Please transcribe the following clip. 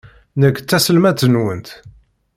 Nekk d taselmadt-nwent.